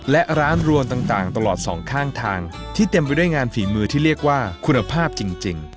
และร้านรวมต่างตลอดสองข้างทางที่เต็มไปด้วยงานฝีมือที่เรียกว่าคุณภาพจริง